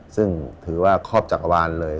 ซึ่งถือว่าครอบจักรวาลเลย